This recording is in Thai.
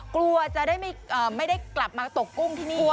กลัวจะไม่ได้กลับมาตกกุ้งที่นี่